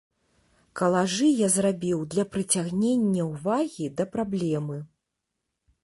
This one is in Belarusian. Калажы я зрабіў для прыцягнення ўвагі да праблемы.